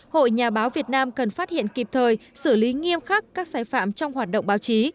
hội nhà báo việt nam cần phát hiện kịp thời xử lý nghiêm khắc các sai phạm trong hoạt động báo chí